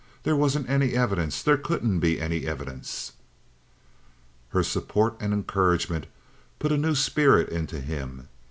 There wasn't any evidence; there couldn't be any evidence. Her support and encouragement put a new spirit into him.